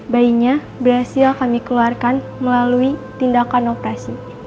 bayinya berhasil kami keluarkan melalui tindakan operasi